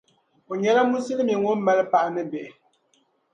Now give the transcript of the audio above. O nyɛla musulimi ŋun mali paɣa ni bihi.